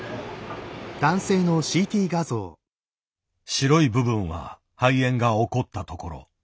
白い部分は肺炎が起こったところ。